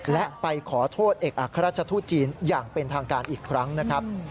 และไปขอโทษเอกอัครราชทูตจีนอย่างเป็นทางการอีกครั้งนะครับ